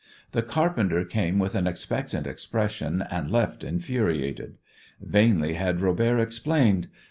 The carpenter came with an expectant expression, and left infuriated. Vainly had Robert explained.